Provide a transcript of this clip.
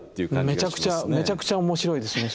めちゃくちゃめちゃくちゃ面白いですね